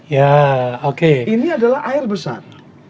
ya oke ini adalah air besar